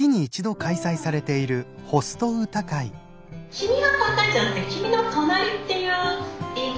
君が高いんじゃなくて「君の隣」っていう言い方。